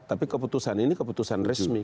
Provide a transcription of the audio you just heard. tapi keputusan ini keputusan resmi